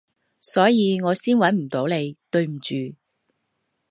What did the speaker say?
所以我先搵唔到你，對唔住